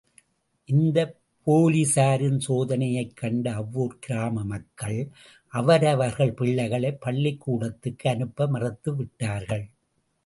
இந்த போலீசாரின் சோதனையைக் கண்ட அவ்வூர் கிராமமக்கள், அவரவர்கள் பிள்ளைகளை பள்ளிக் கூடத்துக்கு அனுப்ப மறுத்து விட்டார்கள்.